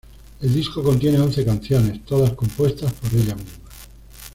El disco contiene once canciones, todas compuestas por ella misma.